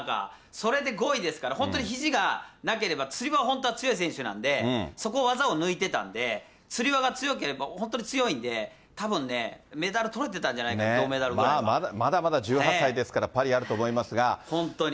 それで５位ですから、本当にひじがなければ、つり輪は本当は強い選手なので、そこを技を抜いてたんで、つり輪が強ければ、本当に強いんで、たぶんね、メダルとれてたんじゃないかな、まあまだまだ１８歳ですから、本当に。